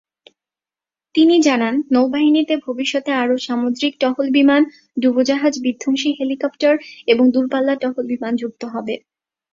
তিনি জানান, নৌবাহিনীতে ভবিষ্যতে আরও সামুদ্রিক টহল বিমান, ডুবোজাহাজ বিধ্বংসী হেলিকপ্টার এবং দূরপাল্লার টহল বিমান যুক্ত হবে।